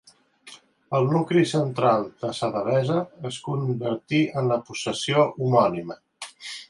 El nucli central de sa Devesa es convertí en la possessió homònima.